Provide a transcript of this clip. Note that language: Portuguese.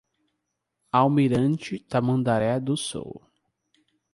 Almirante Tamandaré do Sul